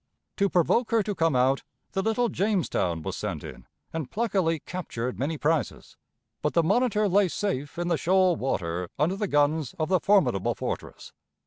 To provoke her to come out, the little Jamestown was sent in and pluckily captured many prizes, but the Monitor lay safe in the shoal water under the guns of the formidable fortress.